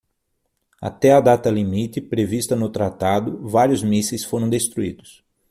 Até a data-limite, prevista no tratado, vários mísseis foram destruídos.